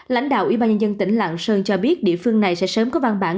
lãnh đạo ủy ban nhân dân tỉnh lạng sơn cho biết địa phương này sẽ sớm có văn bản